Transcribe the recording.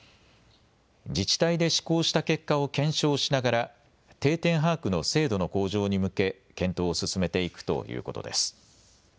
自治体で試行した結果を検証しながら定点把握の精度の向上に向け検討を進めていくということです。